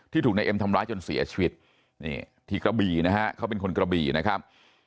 ถูกนายเอ็มทำร้ายจนเสียชีวิตนี่ที่กระบี่นะฮะเขาเป็นคนกระบี่นะครับ